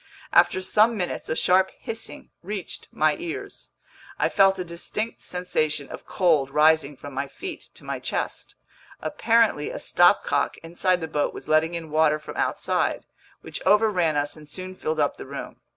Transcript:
After some minutes a sharp hissing reached my ears. I felt a distinct sensation of cold rising from my feet to my chest. Apparently a stopcock inside the boat was letting in water from outside, which overran us and soon filled up the room.